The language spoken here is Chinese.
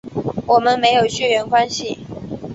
我们没有血缘关系